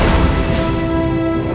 yang lebih baik adalah